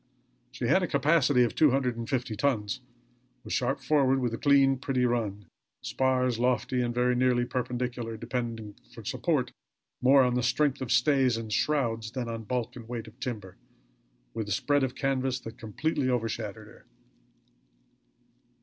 She had a capacity of two hundred and fifty tons; was sharp forward; with a clean, pretty run; spars lofty and very nearly perpendicular, depending for support more on the strength of stays and shrouds than on bulk and weight of timber, with a spread of canvas that completely overshadowed her.